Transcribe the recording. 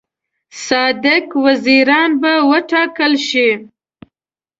صادق وزیران به وټاکل شي.